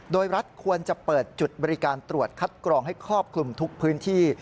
โดยรัฐควรจะเปิดจุดบริการตรวจคัดกรองให้ครอบคลุมทุกพื้นที่